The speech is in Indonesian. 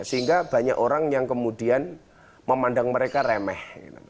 sehingga banyak orang yang kemudian memandang mereka remeh